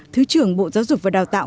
thứ trưởng bộ giáo dục và đào tạo